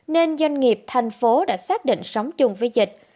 nên doanh nghiệp thành phố đã xác định sống chung với dịch